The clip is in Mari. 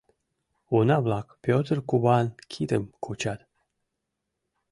Уна-влак Пӧтыр куван кидым кучат: